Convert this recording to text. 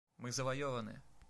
Мы завоеваны!